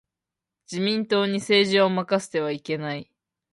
自民党に政治を任せてはいけない。